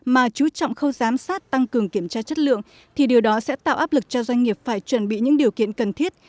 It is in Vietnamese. mà chú trọng khâu giám sát tăng cường kiểm tra chất lượng thì điều đó sẽ tạo áp lực cho doanh nghiệp phải chuẩn bị những điều kiện cần thiết